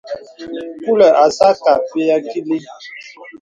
Kùlə̀ asə̄ akɛ̂ apɛ akìlì.